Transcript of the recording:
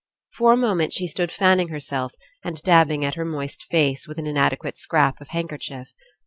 For a moment she stood fanning her self and dabbing at her moist face with an In adequate scrap of handkerchief.